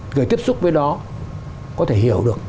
người tiếp xúc với nó có thể hiểu được